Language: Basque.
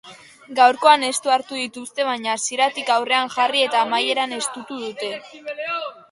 Gaurkoan estu hartu dituzte baina hasieratik aurrean jarri eta amaieran estutu dute.